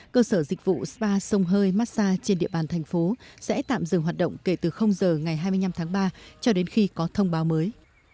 cơ sở dịch vụ spa sông hơi massage trên địa bàn thành phố sẽ tạm dừng hoạt động kể từ giờ ngày hai mươi năm tháng ba cho đến khi có thông báo mới